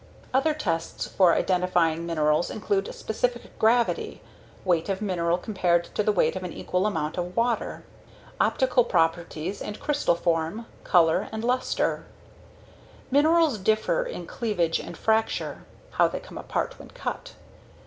Other tests for identifying minerals include specific gravity (weight of mineral compared to the weight of an equal volume of water), optical properties and crystal form, color and luster. Minerals differ in cleavage and fracture (how they come apart when cut).